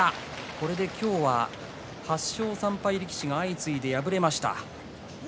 これで今日は８勝３敗力士が相次いで敗れました。